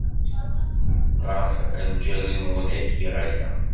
Ɣef lǧal-nwen ay giɣ aya.